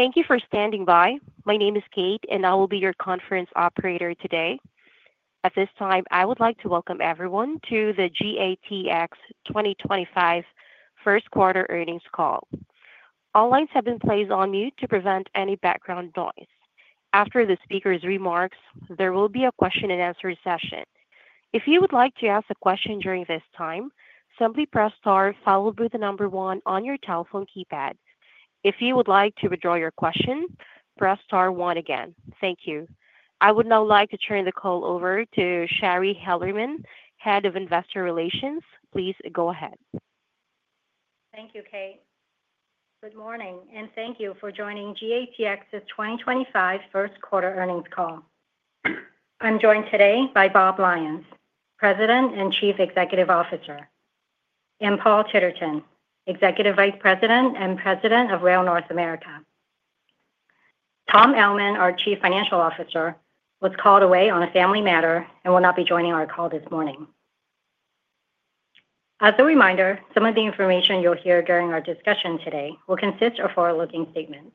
Thank you for standing by. My name is Kate, and I will be your conference operator today. At this time, I would like to welcome everyone to the GATX 2025 First-Quarter Earnings Call. All lines have been placed on mute to prevent any background noise. After the speaker's remarks, there will be a question-and-answer session. If you would like to ask a question during this time, simply press star followed by the number one on your telephone keypad. If you would like to withdraw your question, press star one again. Thank you. I would now like to turn the call over to Shari Hellerman, Head of Investor Relations. Please go ahead. Thank you, Kate. Good morning, and thank you for joining GATX's 2025 First-Quarter Earnings Call. I'm joined today by Bob Lyons, President and Chief Executive Officer, and Paul Titterton, Executive Vice President and President of Rail North America. Tom Ellman, our Chief Financial Officer, was called away on a family matter and will not be joining our call this morning. As a reminder, some of the information you'll hear during our discussion today will consist of forward-looking statements.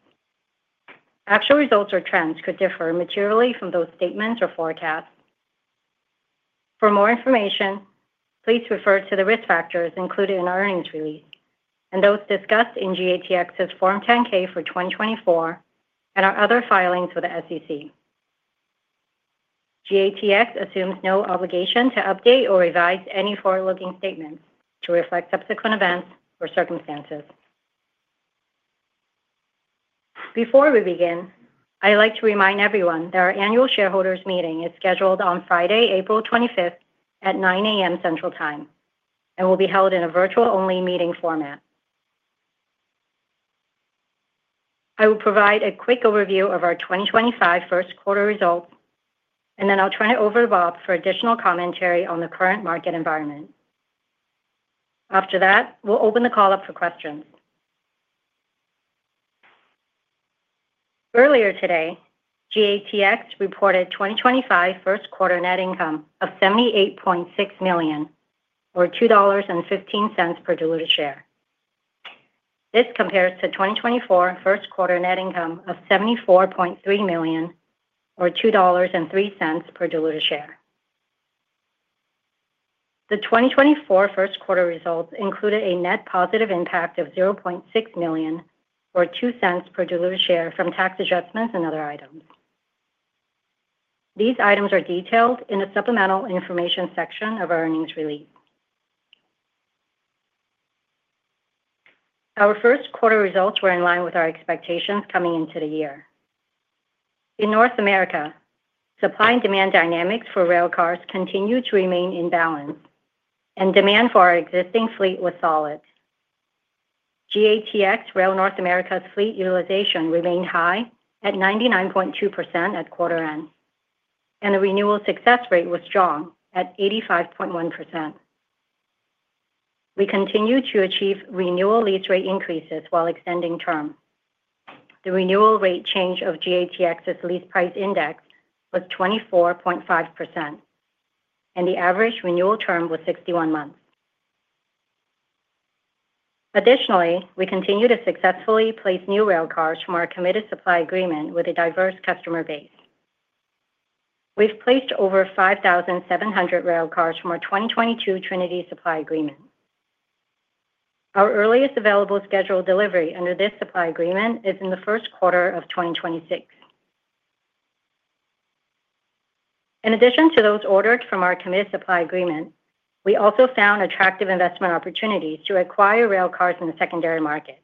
Actual results or trends could differ materially from those statements or forecasts. For more information, please refer to the risk factors included in our earnings release and those discussed in GATX's Form 10-K for 2024 and our other filings with the SEC. GATX assumes no obligation to update or revise any forward-looking statements to reflect subsequent events or circumstances. Before we begin, I'd like to remind everyone that our annual shareholders' meeting is scheduled on Friday, April 25th, at 9:00 A.M. Central Time and will be held in a virtual-only meeting format. I will provide a quick overview of our 2025 first-quarter results, and then I'll turn it over to Bob for additional commentary on the current market environment. After that, we'll open the call up for questions. Earlier today, GATX reported 2025 first-quarter net income of $78.6 million, or $2.15 per diluted share. This compares to 2024 first-quarter net income of $74.3 million, or $2.03 per diluted share. The 2024 first-quarter results included a net positive impact of $0.6 million, or $0.02 per diluted share, from tax adjustments and other items. These items are detailed in the supplemental information section of our earnings release. Our first-quarter results were in line with our expectations coming into the year. In North America, supply and demand dynamics for railcars continued to remain in balance, and demand for our existing fleet was solid. GATX Rail North America's fleet utilization remained high at 99.2% at quarter end, and the renewal success rate was strong at 85.1%. We continue to achieve renewal lease rate increases while extending terms. The renewal rate change of GATX's Lease Price Index was 24.5%, and the average renewal term was 61 months. Additionally, we continue to successfully place new railcars from our committed supply agreement with a diverse customer base. We've placed over 5,700 railcars from our 2022 Trinity supply agreement. Our earliest available scheduled delivery under this supply agreement is in the first quarter of 2026. In addition to those ordered from our committed supply agreement, we also found attractive investment opportunities to acquire railcars in the secondary market.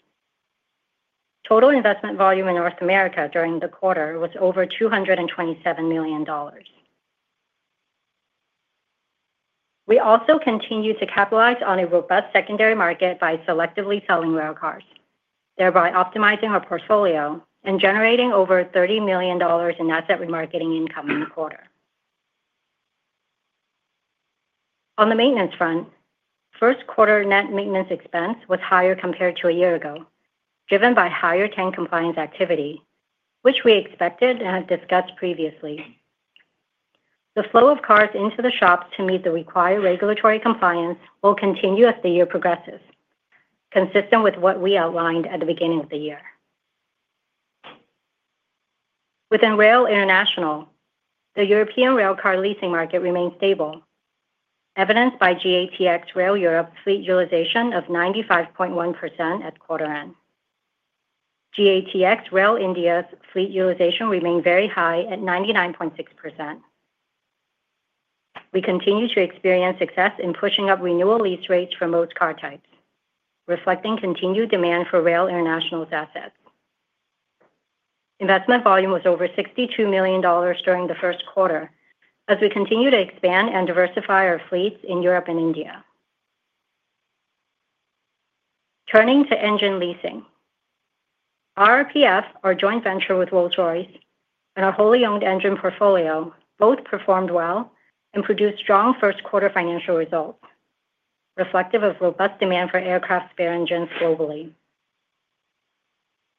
Total investment volume in North America during the quarter was over $227 million. We also continue to capitalize on a robust secondary market by selectively selling railcars, thereby optimizing our portfolio and generating over $30 million in asset remarketing income in the quarter. On the maintenance front, first-quarter net maintenance expense was higher compared to a year ago, driven by higher tank compliance activity, which we expected and have discussed previously. The flow of cars into the shops to meet the required regulatory compliance will continue as the year progresses, consistent with what we outlined at the beginning of the year. Within Rail International, the European railcar leasing market remained stable, evidenced by GATX Rail Europe's fleet utilization of 95.1% at quarter end. GATX Rail India's fleet utilization remained very high at 99.6%. We continue to experience success in pushing up renewal lease rates for most car types, reflecting continued demand for Rail International's assets. Investment volume was over $62 million during the first quarter, as we continue to expand and diversify our fleets in Europe and India. Turning to engine leasing, our RRPF, our joint venture with Rolls-Royce, and our wholly owned engine portfolio both performed well and produced strong first-quarter financial results, reflective of robust demand for aircraft spare engines globally.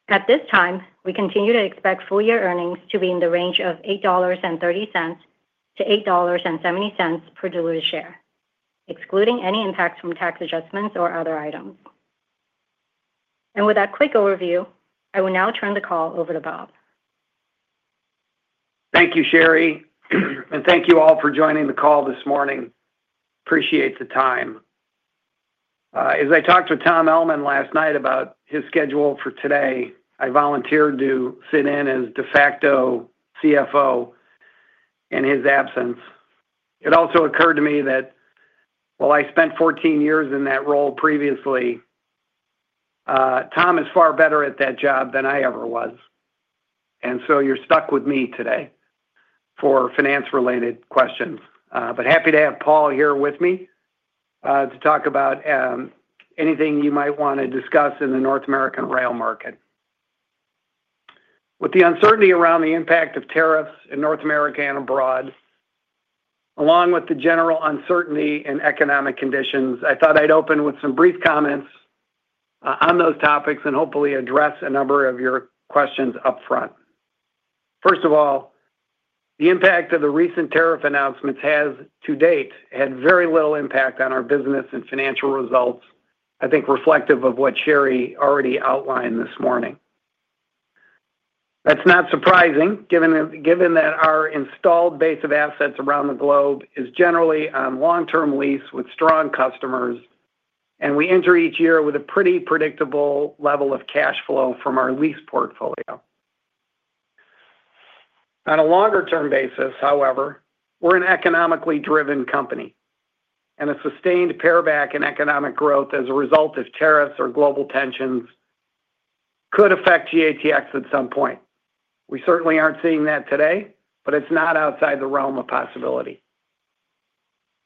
At this time, we continue to expect full-year earnings to be in the range of $8.30-$8.70 per diluted share, excluding any impacts from tax adjustments or other items. With that quick overview, I will now turn the call over to Bob. Thank you, Shari, and thank you all for joining the call this morning. Appreciate the time. As I talked with Tom Ellman last night about his schedule for today, I volunteered to sit in as de facto CFO in his absence. It also occurred to me that, while I spent 14 years in that role previously, Tom is far better at that job than I ever was. You're stuck with me today for finance-related questions. Happy to have Paul here with me to talk about anything you might want to discuss in the North American rail market. With the uncertainty around the impact of tariffs in North America and abroad, along with the general uncertainty in economic conditions, I thought I'd open with some brief comments on those topics and hopefully address a number of your questions upfront. First of all, the impact of the recent tariff announcements has to date had very little impact on our business and financial results, I think reflective of what Shari already outlined this morning. That's not surprising, given that our installed base of assets around the globe is generally on long-term lease with strong customers, and we enter each year with a pretty predictable level of cash flow from our lease portfolio. On a longer-term basis, however, we're an economically driven company, and a sustained pareback in economic growth as a result of tariffs or global tensions could affect GATX at some point. We certainly aren't seeing that today, but it's not outside the realm of possibility.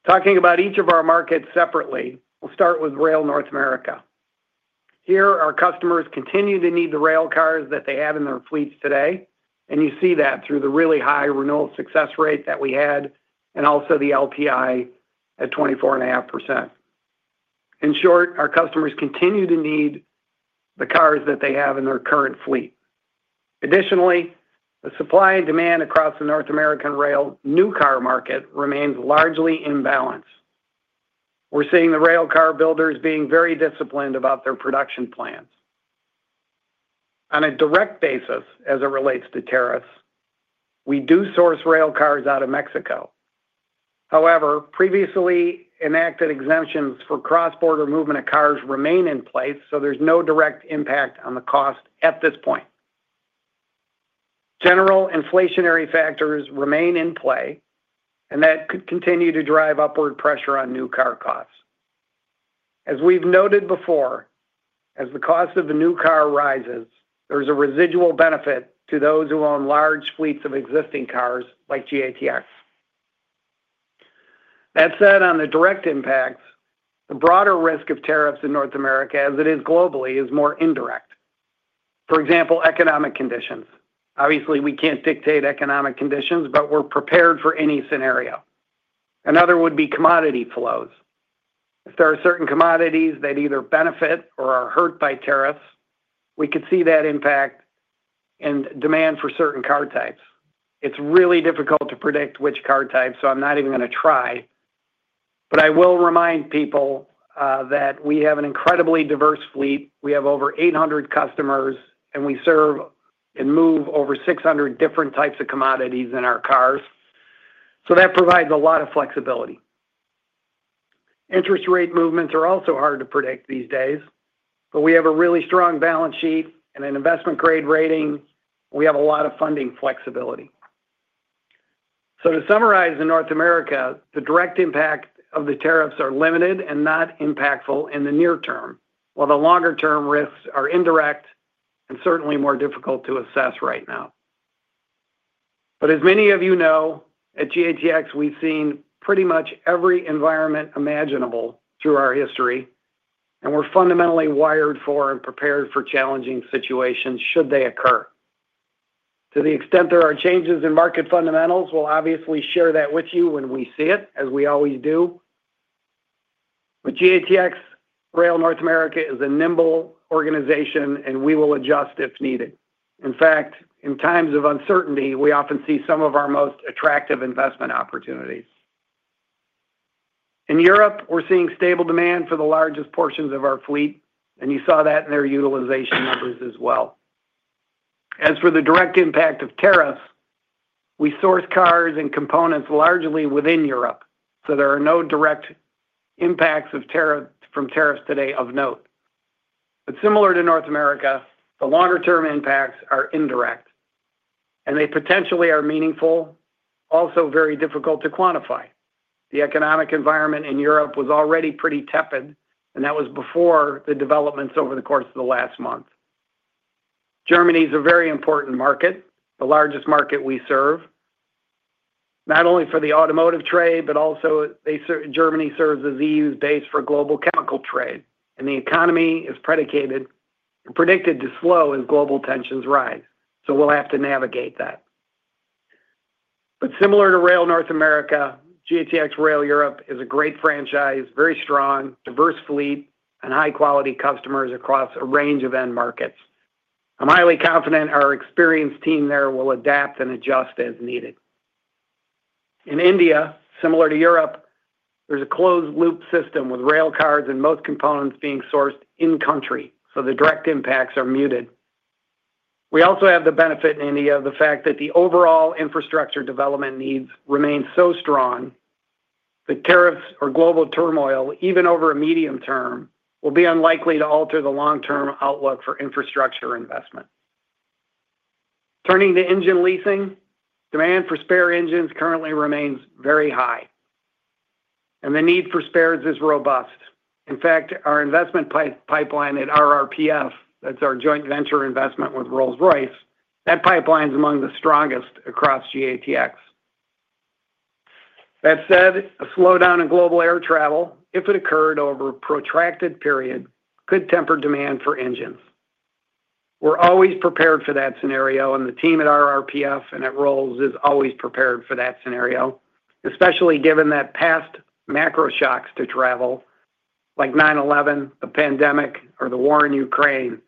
Talking about each of our markets separately, we'll start with Rail North America. Here, our customers continue to need the railcars that they have in their fleets today, and you see that through the really high renewal success rate that we had and also the LPI at 24.5%. In short, our customers continue to need the cars that they have in their current fleet. Additionally, the supply and demand across the North American rail new car market remains largely imbalanced. We're seeing the railcar builders being very disciplined about their production plans. On a direct basis, as it relates to tariffs, we do source railcars out of Mexico. However, previously enacted exemptions for cross-border movement of cars remain in place, so there's no direct impact on the cost at this point. General inflationary factors remain in play, and that could continue to drive upward pressure on new car costs. As we've noted before, as the cost of the new car rises, there's a residual benefit to those who own large fleets of existing cars like GATX. That said, on the direct impacts, the broader risk of tariffs in North America, as it is globally, is more indirect. For example, economic conditions. Obviously, we can't dictate economic conditions, but we're prepared for any scenario. Another would be commodity flows. If there are certain commodities that either benefit or are hurt by tariffs, we could see that impact in demand for certain car types. It's really difficult to predict which car types, so I'm not even going to try. I will remind people that we have an incredibly diverse fleet. We have over 800 customers, and we serve and move over 600 different types of commodities in our cars. That provides a lot of flexibility. Interest rate movements are also hard to predict these days, but we have a really strong balance sheet and an investment-grade rating, and we have a lot of funding flexibility. To summarize in North America, the direct impact of the tariffs is limited and not impactful in the near term, while the longer-term risks are indirect and certainly more difficult to assess right now. As many of you know, at GATX, we've seen pretty much every environment imaginable through our history, and we're fundamentally wired for and prepared for challenging situations should they occur. To the extent there are changes in market fundamentals, we'll obviously share that with you when we see it, as we always do. GATX Rail North America is a nimble organization, and we will adjust if needed. In fact, in times of uncertainty, we often see some of our most attractive investment opportunities. In Europe, we're seeing stable demand for the largest portions of our fleet, and you saw that in their utilization numbers as well. As for the direct impact of tariffs, we source cars and components largely within Europe, so there are no direct impacts from tariffs today of note. Similar to North America, the longer-term impacts are indirect, and they potentially are meaningful, also very difficult to quantify. The economic environment in Europe was already pretty tepid, and that was before the developments over the course of the last month. Germany is a very important market, the largest market we serve, not only for the automotive trade, but also Germany serves as the EU's base for global chemical trade, and the economy is predicated and predicted to slow as global tensions rise. We will have to navigate that. Similar to Rail North America, GATX Rail Europe is a great franchise, very strong, diverse fleet, and high-quality customers across a range of end markets. I'm highly confident our experienced team there will adapt and adjust as needed. In India, similar to Europe, there's a closed-loop system with railcars and most components being sourced in-country, so the direct impacts are muted. We also have the benefit in India of the fact that the overall infrastructure development needs remain so strong that tariffs or global turmoil, even over a medium term, will be unlikely to alter the long-term outlook for infrastructure investment. Turning to engine leasing, demand for spare engines currently remains very high, and the need for spares is robust. In fact, our investment pipeline at RRPF, that's our joint venture investment with Rolls-Royce, that pipeline is among the strongest across GATX. That said, a slowdown in global air travel, if it occurred over a protracted period, could temper demand for engines. We're always prepared for that scenario, and the team at RRPF and at Rolls is always prepared for that scenario, especially given that past macro shocks to travel, like 9/11, the pandemic, or the war in Ukraine,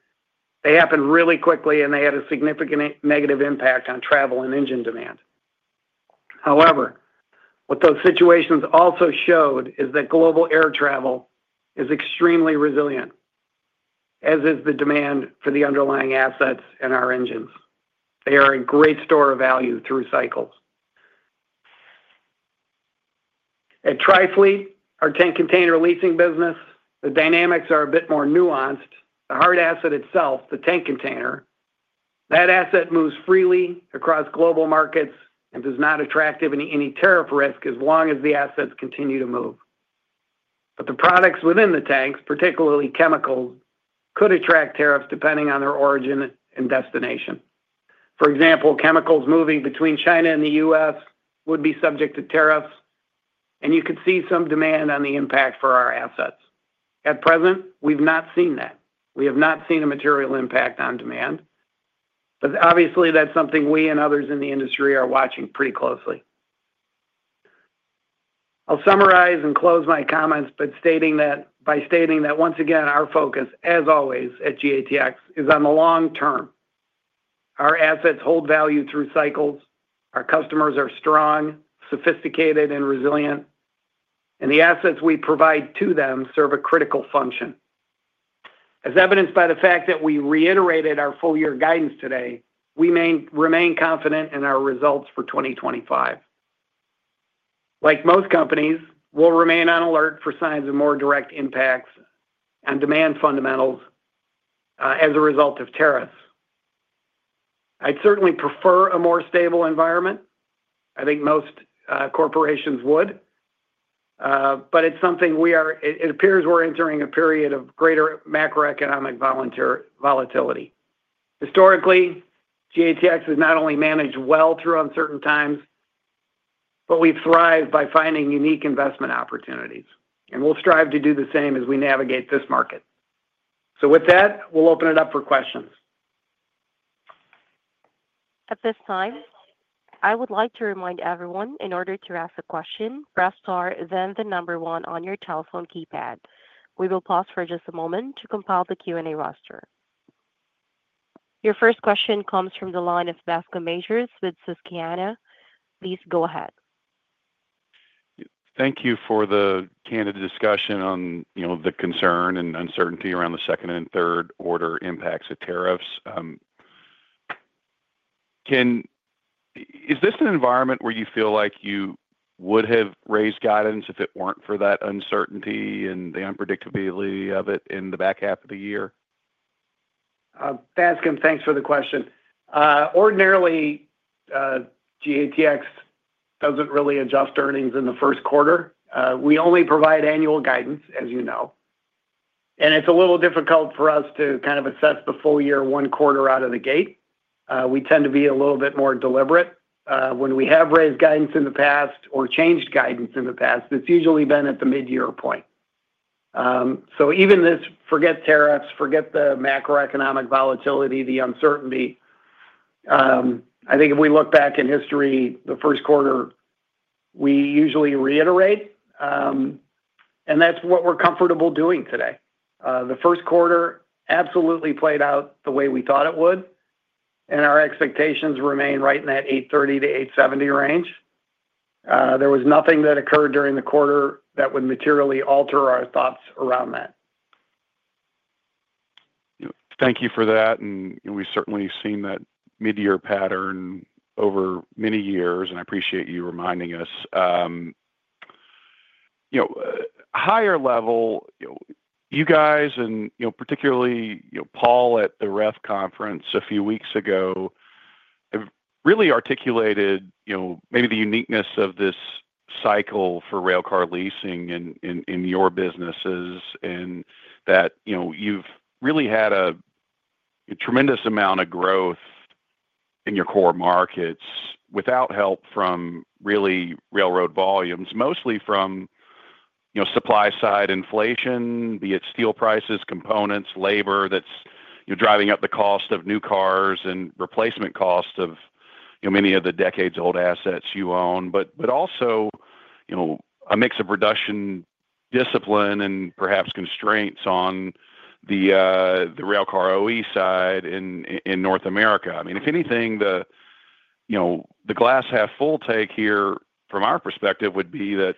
they happened really quickly, and they had a significant negative impact on travel and engine demand. However, what those situations also showed is that global air travel is extremely resilient, as is the demand for the underlying assets and our engines. They are a great store of value through cycles. At Trifleet, our tank container leasing business, the dynamics are a bit more nuanced. The hard asset itself, the tank container, that asset moves freely across global markets and does not attract any tariff risk as long as the assets continue to move. The products within the tanks, particularly chemicals, could attract tariffs depending on their origin and destination. For example, chemicals moving between China and the U.S. would be subject to tariffs, and you could see some demand on the impact for our assets. At present, we've not seen that. We have not seen a material impact on demand. Obviously, that's something we and others in the industry are watching pretty closely. I'll summarize and close my comments by stating that, once again, our focus, as always at GATX, is on the long term. Our assets hold value through cycles. Our customers are strong, sophisticated, and resilient, and the assets we provide to them serve a critical function. As evidenced by the fact that we reiterated our full-year guidance today, we remain confident in our results for 2025. Like most companies, we'll remain on alert for signs of more direct impacts on demand fundamentals as a result of tariffs. I'd certainly prefer a more stable environment. I think most corporations would. It appears we're entering a period of greater macroeconomic volatility. Historically, GATX has not only managed well through uncertain times, but we've thrived by finding unique investment opportunities. We'll strive to do the same as we navigate this market. With that, we'll open it up for questions. At this time, I would like to remind everyone, in order to ask a question, press star then the number one on your telephone keypad. We will pause for just a moment to compile the Q&A roster. Your first question comes from the line of Bascome Majors with Susquehanna. Please go ahead. Thank you for the candid discussion on the concern and uncertainty around the second and third-order impacts of tariffs. Is this an environment where you feel like you would have raised guidance if it were not for that uncertainty and the unpredictability of it in the back half of the year? Bascome, thanks for the question. Ordinarily, GATX does not really adjust earnings in the first quarter. We only provide annual guidance, as you know. It is a little difficult for us to kind of assess the full year one quarter out of the gate. We tend to be a little bit more deliberate. When we have raised guidance in the past or changed guidance in the past, it has usually been at the mid-year point. Even this, forget tariffs, forget the macroeconomic volatility, the uncertainty. I think if we look back in history, the first quarter, we usually reiterate. That is what we are comfortable doing today. The first quarter absolutely played out the way we thought it would, and our expectations remain right in that $830-$870 range. There was nothing that occurred during the quarter that would materially alter our thoughts around that. Thank you for that. We have certainly seen that mid-year pattern over many years, and I appreciate you reminding us. Higher level, you guys and particularly Paul at the REF Conference a few weeks ago have really articulated maybe the uniqueness of this cycle for railcar leasing in your businesses and that you have really had a tremendous amount of growth in your core markets without help from really railroad volumes, mostly from supply-side inflation, be it steel prices, components, labor that is driving up the cost of new cars and replacement costs of many of the decades-old assets you own, but also a mix of reduction discipline and perhaps constraints on the railcar OE side in North America. I mean, if anything, the glass-half full take here from our perspective would be that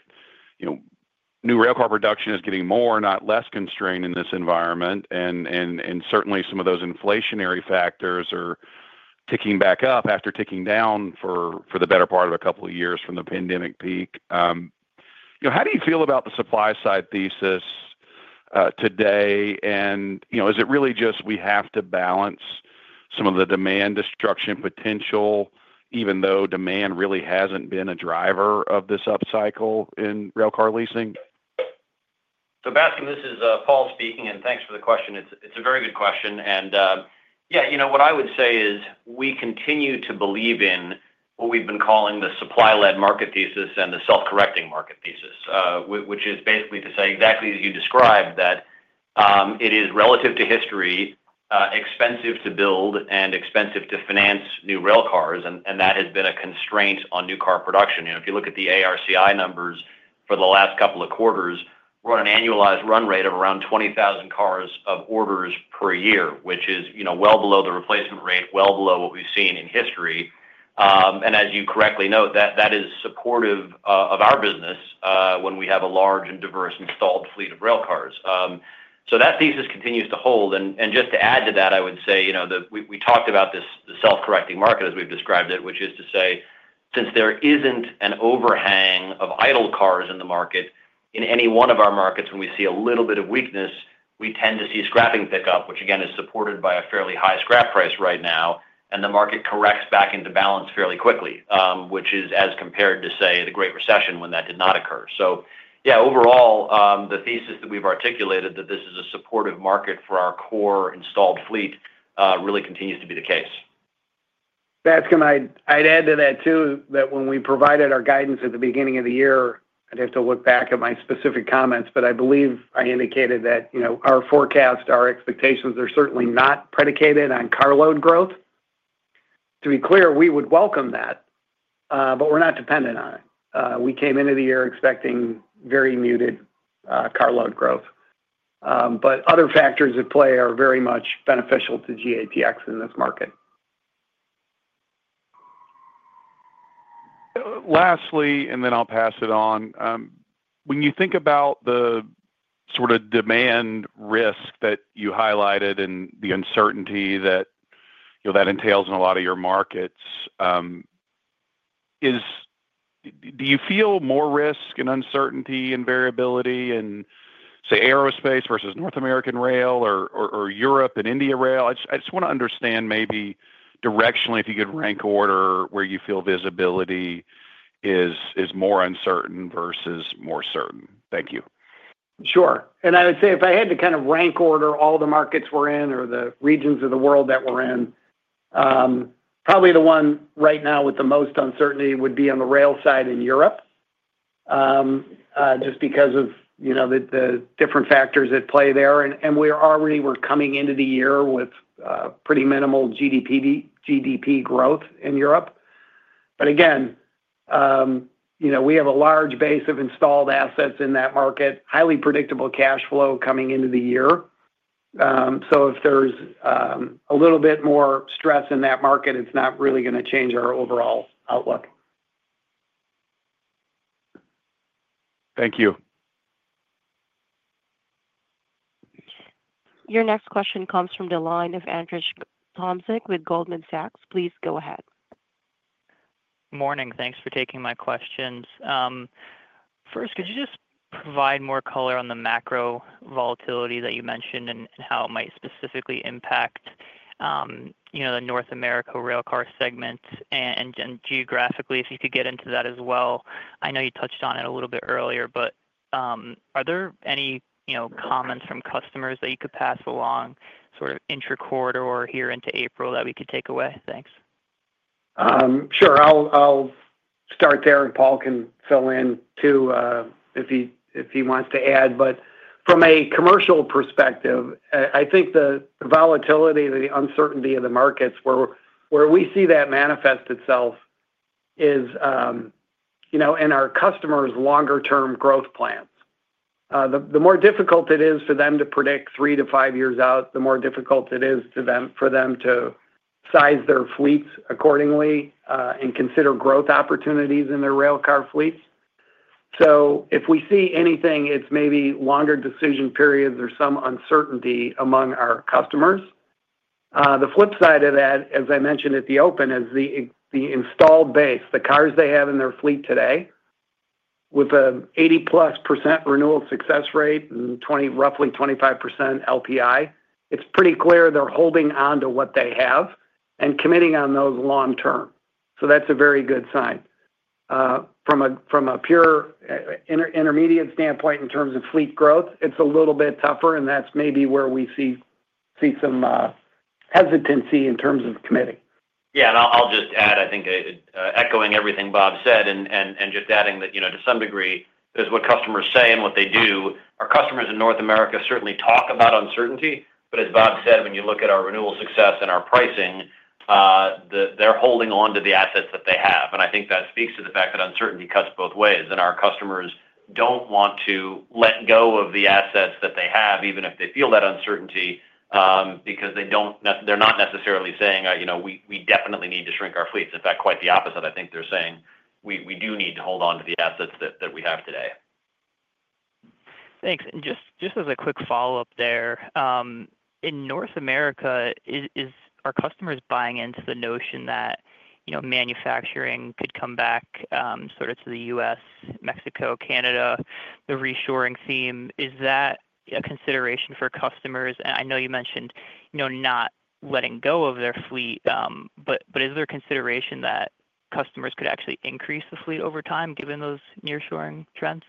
new railcar production is getting more, not less constrained in this environment, and certainly some of those inflationary factors are ticking back up after ticking down for the better part of a couple of years from the pandemic peak. How do you feel about the supply-side thesis today? Is it really just we have to balance some of the demand destruction potential, even though demand really hasn't been a driver of this upcycle in railcar leasing? Bascome, this is Paul speaking, and thanks for the question. It's a very good question. Yeah, what I would say is we continue to believe in what we've been calling the supply-led market thesis and the self-correcting market thesis, which is basically to say, exactly as you described, that it is relative to history, expensive to build, and expensive to finance new railcars, and that has been a constraint on new car production. If you look at the ARCI numbers for the last couple of quarters, we're on an annualized run rate of around 20,000 cars of orders per year, which is well below the replacement rate, well below what we've seen in history. As you correctly note, that is supportive of our business when we have a large and diverse installed fleet of railcars. That thesis continues to hold. Just to add to that, I would say we talked about the self-correcting market, as we've described it, which is to say, since there isn't an overhang of idle cars in the market, in any one of our markets, when we see a little bit of weakness, we tend to see scrapping pick up, which again is supported by a fairly high scrap price right now, and the market corrects back into balance fairly quickly, which is as compared to, say, the Great Recession when that did not occur. Yeah, overall, the thesis that we've articulated that this is a supportive market for our core installed fleet really continues to be the case. Bascome, I'd add to that too that when we provided our guidance at the beginning of the year, I'd have to look back at my specific comments, but I believe I indicated that our forecast, our expectations, are certainly not predicated on carload growth. To be clear, we would welcome that, but we're not dependent on it. We came into the year expecting very muted carload growth. Other factors at play are very much beneficial to GATX in this market. Lastly, and then I'll pass it on. When you think about the sort of demand risk that you highlighted and the uncertainty that that entails in a lot of your markets, do you feel more risk and uncertainty and variability in, say, aerospace versus North American Rail or Europe and India Rail? I just want to understand maybe directionally, if you could rank order where you feel visibility is more uncertain versus more certain. Thank you. Sure. I would say if I had to kind of rank order all the markets we're in or the regions of the world that we're in, probably the one right now with the most uncertainty would be on the rail side in Europe just because of the different factors at play there. We already were coming into the year with pretty minimal GDP growth in Europe. Again, we have a large base of installed assets in that market, highly predictable cash flow coming into the year. If there's a little bit more stress in that market, it's not really going to change our overall outlook. Thank you. Your next question comes from the line of Andrzej Tomczyk with Goldman Sachs. Please go ahead. Morning. Thanks for taking my questions. First, could you just provide more color on the macro volatility that you mentioned and how it might specifically impact the North America railcar segment and geographically, if you could get into that as well? I know you touched on it a little bit earlier, but are there any comments from customers that you could pass along sort of intra-quarter or here into April that we could take away? Thanks. Sure. I'll start there, and Paul can fill in too if he wants to add. From a commercial perspective, I think the volatility and the uncertainty of the markets where we see that manifest itself is in our customers' longer-term growth plans. The more difficult it is for them to predict three to five years out, the more difficult it is for them to size their fleets accordingly and consider growth opportunities in their railcar fleets. If we see anything, it's maybe longer decision periods or some uncertainty among our customers. The flip side of that, as I mentioned at the open, is the installed base, the cars they have in their fleet today, with an 80%+ renewal success rate and roughly 25% LPI, it's pretty clear they're holding on to what they have and committing on those long-term. That's a very good sign. From a pure intermediate standpoint in terms of fleet growth, it's a little bit tougher, and that's maybe where we see some hesitancy in terms of committing. Yeah. I'll just add, I think echoing everything Bob said and just adding that to some degree, as what customers say and what they do, our customers in North America certainly talk about uncertainty. As Bob said, when you look at our renewal success and our pricing, they're holding on to the assets that they have. I think that speaks to the fact that uncertainty cuts both ways. Our customers do not want to let go of the assets that they have, even if they feel that uncertainty, because they're not necessarily saying, "We definitely need to shrink our fleets." In fact, quite the opposite. I think they're saying, "We do need to hold on to the assets that we have today. Thanks. Just as a quick follow-up there, in North America, are customers buying into the notion that manufacturing could come back sort of to the U.S., Mexico, Canada, the reshoring theme? Is that a consideration for customers? I know you mentioned not letting go of their fleet, but is there a consideration that customers could actually increase the fleet over time given those nearshoring trends?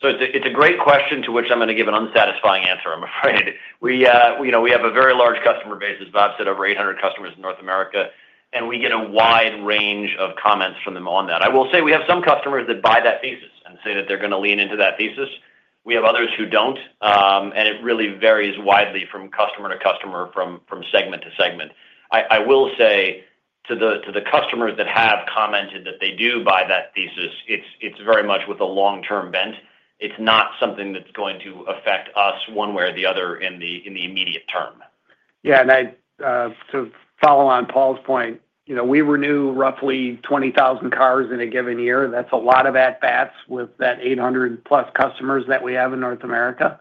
It's a great question to which I'm going to give an unsatisfying answer, I'm afraid. We have a very large customer base, as Bob said, over 800 customers in North America, and we get a wide range of comments from them on that. I will say we have some customers that buy that thesis and say that they're going to lean into that thesis. We have others who don't. It really varies widely from customer to customer, from segment to segment. I will say to the customers that have commented that they do buy that thesis, it's very much with a long-term bent. It's not something that's going to affect us one way or the other in the immediate term. Yeah. To follow on Paul's point, we renew roughly 20,000 cars in a given year. That's a lot of at-bats with that 800-plus customers that we have in North America.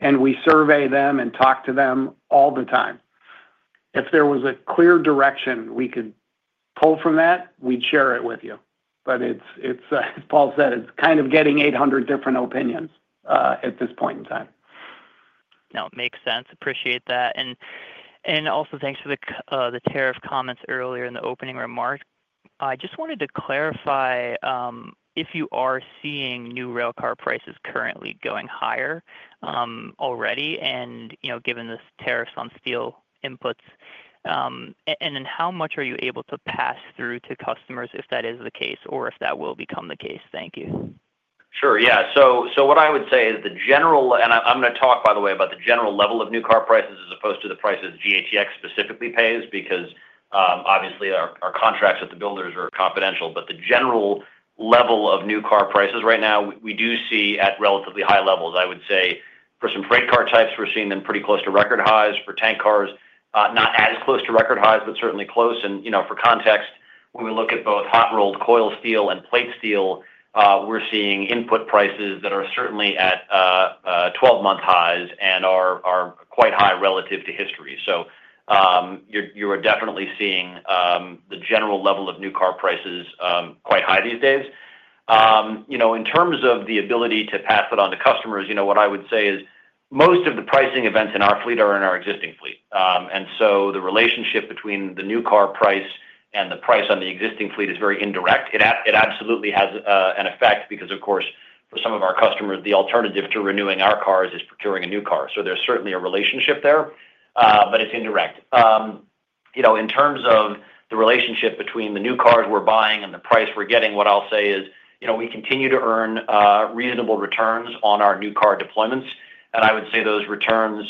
We survey them and talk to them all the time. If there was a clear direction we could pull from that, we'd share it with you. As Paul said, it's kind of getting 800 different opinions at this point in time. No, it makes sense. Appreciate that. Also, thanks for the tariff comments earlier in the opening remark. I just wanted to clarify if you are seeing new railcar prices currently going higher already, given the tariffs on steel inputs, and then how much are you able to pass through to customers if that is the case or if that will become the case? Thank you. Sure. Yeah. What I would say is the general—and I'm going to talk, by the way, about the general level of new car prices as opposed to the prices GATX specifically pays because obviously our contracts with the builders are confidential—the general level of new car prices right now, we do see at relatively high levels. I would say for some freight car types, we're seeing them pretty close to record highs. For tank cars, not as close to record highs, but certainly close. For context, when we look at both hot-rolled coil steel and plate steel, we're seeing input prices that are certainly at 12-month highs and are quite high relative to history. You are definitely seeing the general level of new car prices quite high these days. In terms of the ability to pass that on to customers, what I would say is most of the pricing events in our fleet are in our existing fleet. The relationship between the new car price and the price on the existing fleet is very indirect. It absolutely has an effect because, of course, for some of our customers, the alternative to renewing our cars is procuring a new car. There is certainly a relationship there, but it is indirect. In terms of the relationship between the new cars we are buying and the price we are getting, what I will say is we continue to earn reasonable returns on our new car deployments. I would say those returns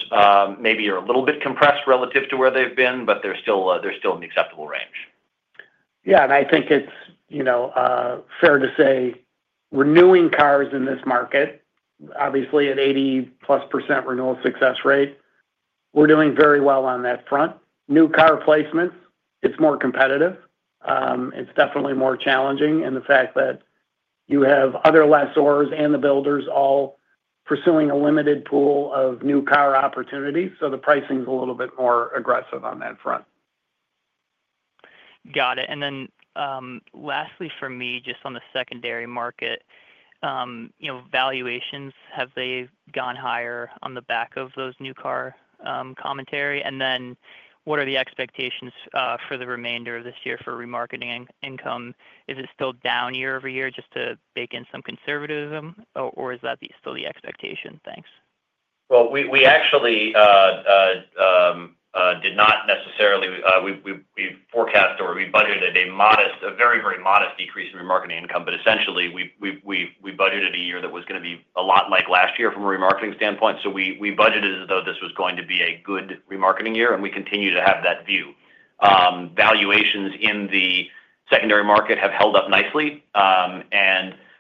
maybe are a little bit compressed relative to where they have been, but they are still in the acceptable range. Yeah. I think it's fair to say renewing cars in this market, obviously at 80%+ renewal success rate, we're doing very well on that front. New car placements, it's more competitive. It's definitely more challenging in the fact that you have other lessors and the builders all pursuing a limited pool of new car opportunities. The pricing is a little bit more aggressive on that front. Got it. Lastly for me, just on the secondary market, valuations, have they gone higher on the back of those new car commentary? What are the expectations for the remainder of this year for remarketing income? Is it still down year-over-year just to bake in some conservatism, or is that still the expectation? Thanks. We actually did not necessarily—we forecast or we budgeted a very, very modest decrease in remarketing income, but essentially we budgeted a year that was going to be a lot like last year from a remarketing standpoint. We budgeted as though this was going to be a good remarketing year, and we continue to have that view. Valuations in the secondary market have held up nicely.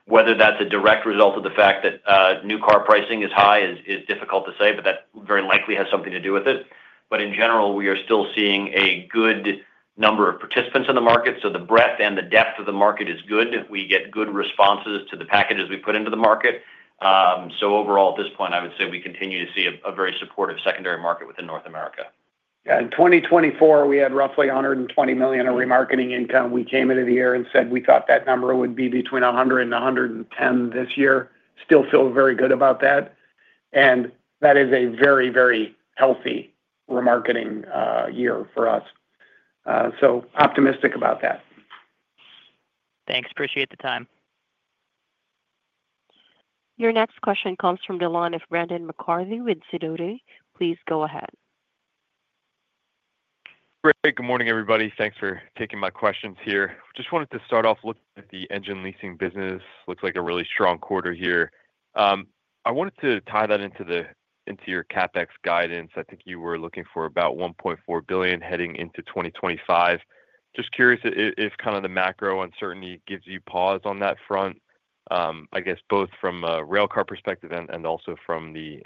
Whether that is a direct result of the fact that new car pricing is high is difficult to say, but that very likely has something to do with it. In general, we are still seeing a good number of participants in the market. The breadth and the depth of the market is good. We get good responses to the packages we put into the market. Overall, at this point, I would say we continue to see a very supportive secondary market within North America. Yeah. In 2024, we had roughly $120 million of remarketing income. We came into the year and said we thought that number would be between $100 million and $110 million this year. Still feel very good about that. That is a very, very healthy remarketing year for us. Optimistic about that. Thanks. Appreciate the time. Your next question comes from the line of Brendan McCarthy with Sidoti. Please go ahead. Great. Good morning, everybody. Thanks for taking my questions here. Just wanted to start off looking at the engine leasing business. Looks like a really strong quarter here. I wanted to tie that into your CapEx guidance. I think you were looking for about $1.4 billion heading into 2025. Just curious if kind of the macro uncertainty gives you pause on that front, I guess both from a railcar perspective and also from the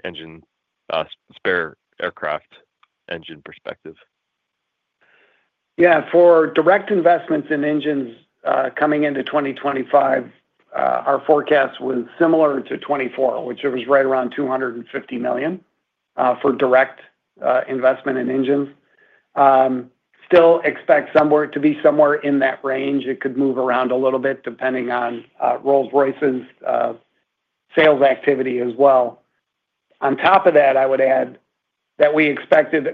spare aircraft engine perspective. Yeah. For direct investments in engines coming into 2025, our forecast was similar to 2024, which it was right around $250 million for direct investment in engines. Still expect to be somewhere in that range. It could move around a little bit depending on Rolls-Royce's sales activity as well. On top of that, I would add that we expected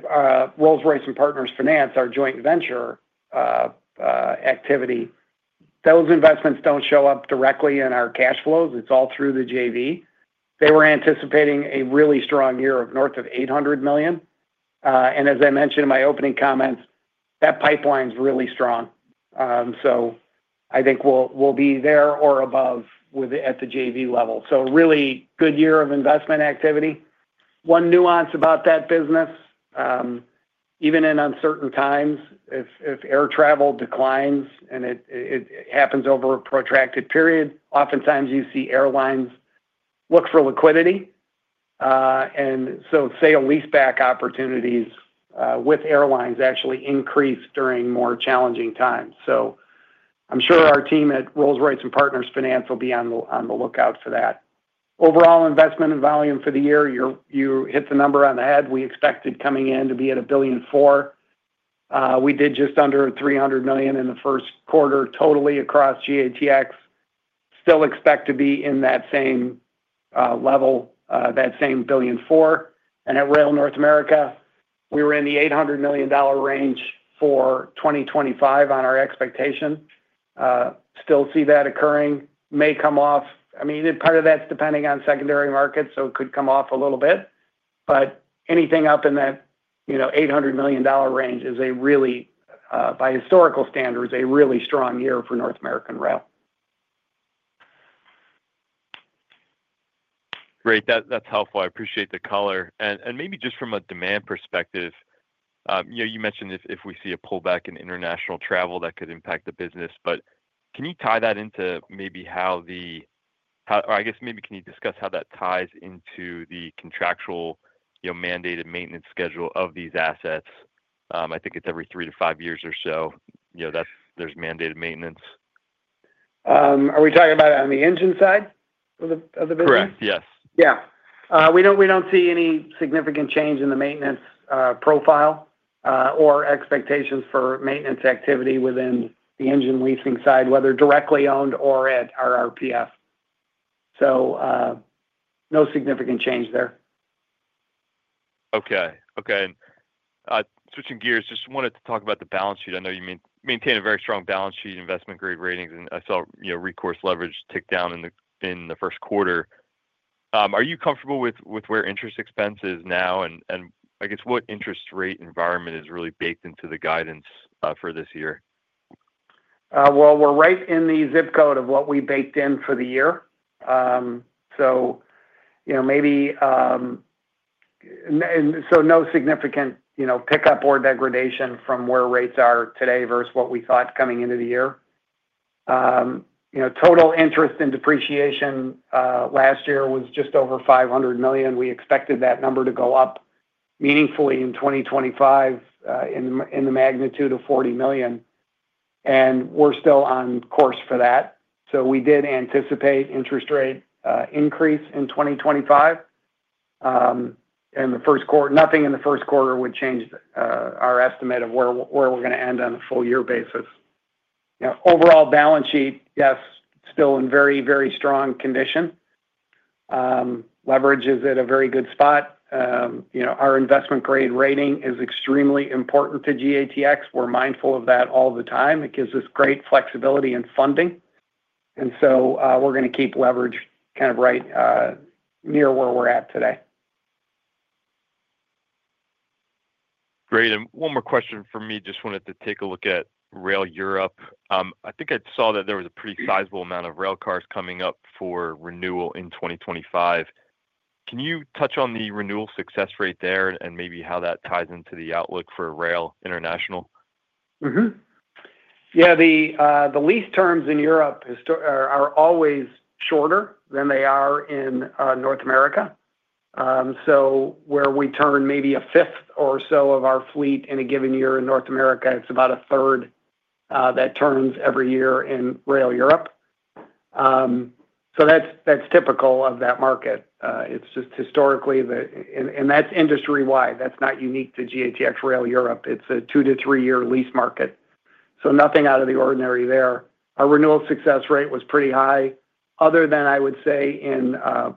Rolls-Royce and Partners Finance, our joint venture activity, those investments do not show up directly in our cash flows. It is all through the JV. They were anticipating a really strong year of north of $800 million. As I mentioned in my opening comments, that pipeline is really strong. I think we will be there or above at the JV level. Really good year of investment activity. One nuance about that business, even in uncertain times, if air travel declines and it happens over a protracted period, oftentimes you see airlines look for liquidity. Sale lease-back opportunities with airlines actually increase during more challenging times. I'm sure our team at Rolls-Royce and Partners Finance will be on the lookout for that. Overall investment and volume for the year, you hit the number on the head. We expected coming in to be at $1.4 billion. We did just under $300 million in the first quarter totally across GATX. Still expect to be in that same level, that same $1.4 billion. At Rail North America, we were in the $800 million range for 2025 on our expectation. Still see that occurring. May come off. I mean, part of that's depending on secondary markets, so it could come off a little bit. Anything up in that $800 million range is a really, by historical standards, a really strong year for North American Rail. Great. That's helpful. I appreciate the color. I appreciate the color. Maybe just from a demand perspective, you mentioned if we see a pullback in international travel, that could impact the business. Can you tie that into maybe how the—or I guess maybe can you discuss how that ties into the contractual mandated maintenance schedule of these assets? I think it's every three to five years or so. There's mandated maintenance. Are we talking about it on the engine side of the business? Correct. Yes. Yeah. We do not see any significant change in the maintenance profile or expectations for maintenance activity within the engine leasing side, whether directly owned or at RRPF. No significant change there. Okay. Okay. Switching gears, just wanted to talk about the balance sheet. I know you maintain a very strong balance sheet investment grade ratings, and I saw recourse leverage tick down in the first quarter. Are you comfortable with where interest expense is now? I guess what interest rate environment is really baked into the guidance for this year? We're right in the zip code of what we baked in for the year. Maybe no significant pickup or degradation from where rates are today versus what we thought coming into the year. Total interest and depreciation last year was just over $500 million. We expected that number to go up meaningfully in 2025 in the magnitude of $40 million. We're still on course for that. We did anticipate interest rate increase in 2025. Nothing in the first quarter would change our estimate of where we're going to end on a full year basis. Overall balance sheet, yes, still in very, very strong condition. Leverage is at a very good spot. Our investment grade rating is extremely important to GATX. We're mindful of that all the time. It gives us great flexibility in funding. We're going to keep leverage kind of right near where we're at today. Great. One more question for me. Just wanted to take a look at Rail Europe. I think I saw that there was a pretty sizable amount of railcars coming up for renewal in 2025. Can you touch on the renewal success rate there and maybe how that ties into the outlook for Rail International? Yeah. The lease terms in Europe are always shorter than they are in North America. So where we turn maybe a fifth or so of our fleet in a given year in North America, it's about a third that turns every year in Rail Europe. That's typical of that market. It's just historically, and that's industry-wide. That's not unique to GATX Rail Europe. It's a two to three-year lease market. Nothing out of the ordinary there. Our renewal success rate was pretty high, other than I would say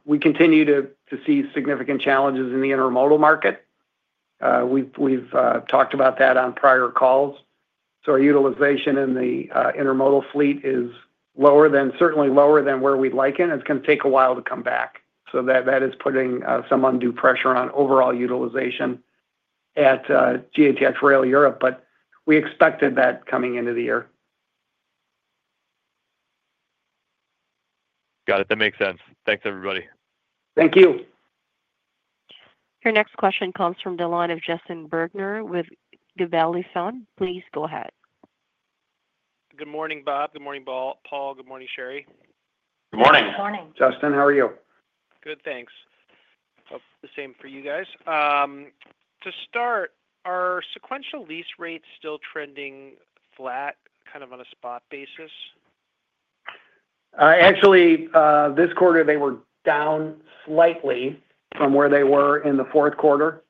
we continue to see significant challenges in the intermodal market. We've talked about that on prior calls. Our utilization in the intermodal fleet is lower, certainly lower than where we'd like it. It's going to take a while to come back. That is putting some undue pressure on overall utilization at GATX Rail Europe. We expected that coming into the year. Got it. That makes sense. Thanks, everybody. Thank you. Your next question comes from the line of Justin Bergner with Gabelli Funds. Please go ahead. Good morning, Bob. Good morning, Paul. Good morning, Shari. Good morning. Good morning. Justin, how are you? Good, thanks. The same for you guys. To start, are sequential lease rates still trending flat, kind of on a spot basis? Actually, this quarter, they were down slightly from where they were in the fourth quarter.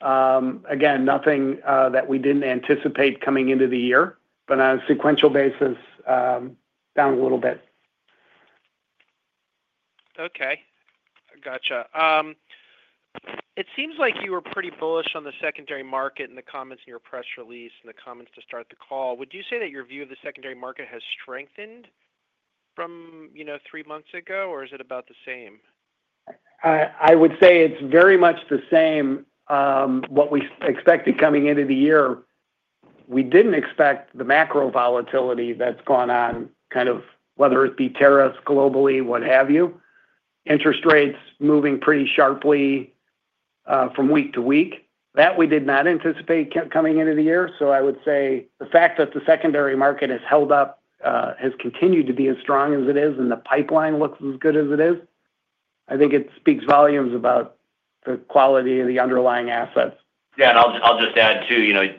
Again, nothing that we didn't anticipate coming into the year, but on a sequential basis, down a little bit. Okay. Gotcha. It seems like you were pretty bullish on the secondary market in the comments in your press release and the comments to start the call. Would you say that your view of the secondary market has strengthened from three months ago, or is it about the same? I would say it's very much the same. What we expected coming into the year, we didn't expect the macro volatility that's gone on, kind of whether it be tariffs globally, what have you, interest rates moving pretty sharply from week to week. That we did not anticipate coming into the year. I would say the fact that the secondary market has held up, has continued to be as strong as it is, and the pipeline looks as good as it is, I think it speaks volumes about the quality of the underlying assets. Yeah. I'll just add too.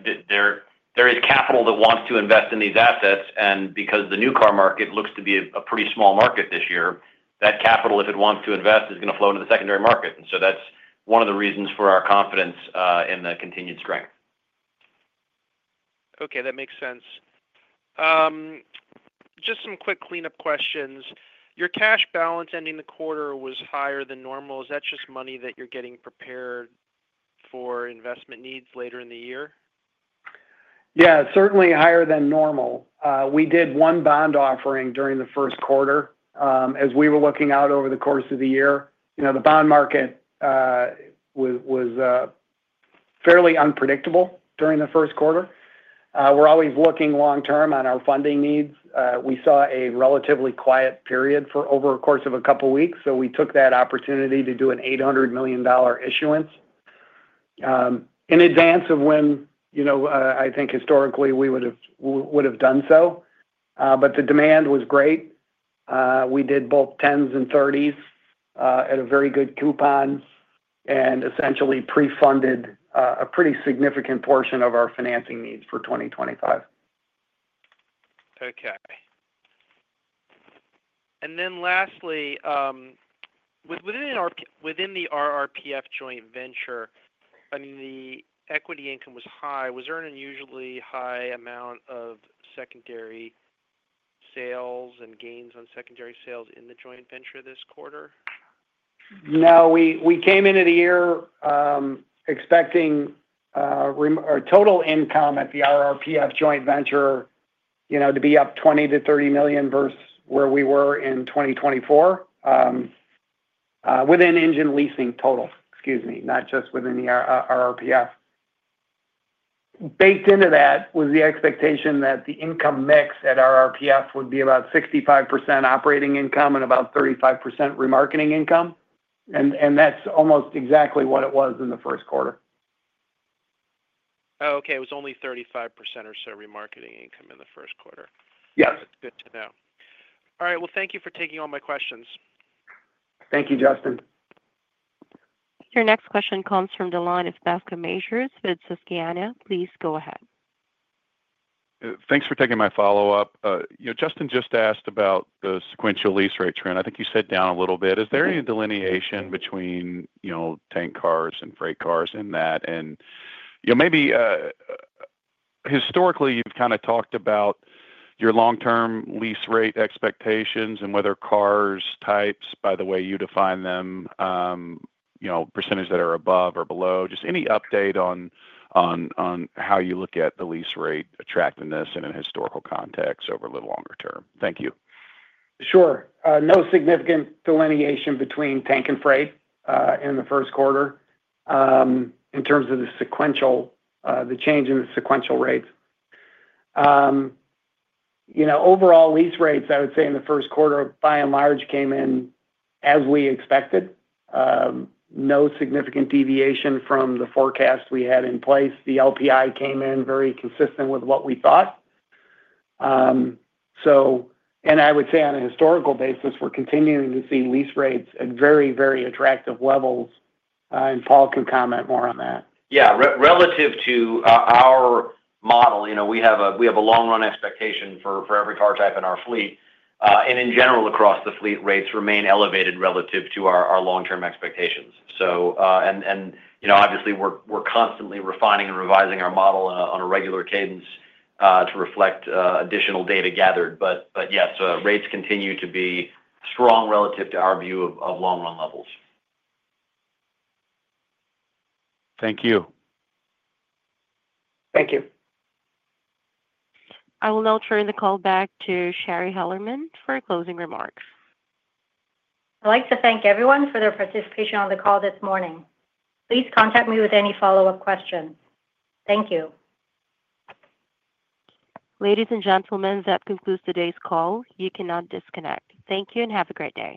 There is capital that wants to invest in these assets. Because the new car market looks to be a pretty small market this year, that capital, if it wants to invest, is going to flow into the secondary market. That's one of the reasons for our confidence in the continued strength. Okay. That makes sense. Just some quick cleanup questions. Your cash balance ending the quarter was higher than normal. Is that just money that you're getting prepared for investment needs later in the year? Yeah. Certainly higher than normal. We did one bond offering during the first quarter as we were looking out over the course of the year. The bond market was fairly unpredictable during the first quarter. We're always looking long-term on our funding needs. We saw a relatively quiet period for over a course of a couple of weeks. We took that opportunity to do an $800 million issuance in advance of when I think historically we would have done so. The demand was great. We did both 10s and 30s at a very good coupon and essentially pre-funded a pretty significant portion of our financing needs for 2025. Okay. Lastly, within the RRPF joint venture, I mean, the equity income was high. Was there an unusually high amount of secondary sales and gains on secondary sales in the joint venture this quarter? No. We came into the year expecting our total income at the RRPF joint venture to be up $20 million-$30 million versus where we were in 2024 within engine leasing total, excuse me, not just within the RRPF. Baked into that was the expectation that the income mix at RRPF would be about 65% operating income and about 35% remarketing income. That is almost exactly what it was in the first quarter. Oh, okay. It was only 35% or so remarketing income in the first quarter. Yes. That's good to know. All right. Thank you for taking all my questions. Thank you, Justin. Your next question comes from the line of Bascome Majors with Susquehanna. Please go ahead. Thanks for taking my follow-up. Justin just asked about the sequential lease rate trend. I think you said down a little bit. Is there any delineation between tank cars and freight cars in that? Maybe historically, you've kind of talked about your long-term lease rate expectations and whether cars, types, by the way you define them, percentages that are above or below, just any update on how you look at the lease rate attractiveness in a historical context over a little longer term. Thank you. Sure. No significant delineation between tank and freight in the first quarter in terms of the change in the sequential rates. Overall lease rates, I would say in the first quarter, by and large, came in as we expected. No significant deviation from the forecast we had in place. The LPI came in very consistent with what we thought. I would say on a historical basis, we are continuing to see lease rates at very, very attractive levels. Paul can comment more on that. Yeah. Relative to our model, we have a long-run expectation for every car type in our fleet. In general, across the fleet, rates remain elevated relative to our long-term expectations. Obviously, we're constantly refining and revising our model on a regular cadence to reflect additional data gathered. Yes, rates continue to be strong relative to our view of long-run levels. Thank you. Thank you. I will now turn the call back to Shari Hellerman for closing remarks. I'd like to thank everyone for their participation on the call this morning. Please contact me with any follow-up questions. Thank you. Ladies and gentlemen, that concludes today's call. You can now disconnect. Thank you and have a great day.